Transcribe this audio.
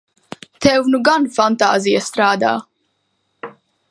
Tev nu gan fantāzija strādā!